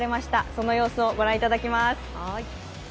その様子をご覧いただきます。